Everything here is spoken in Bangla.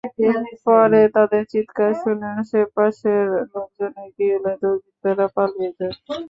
পরে তাদের চিৎকার শুনে আশপাশের লোকজন এগিয়ে এলে দুর্বৃত্তরা পালিয়ে যায়।